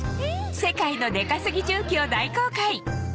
世界のでかすぎ重機を大公開